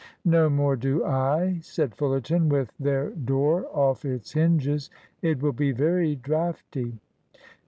"No more do I," said Fullerton, "with their door off its hinges. It will be very draughty."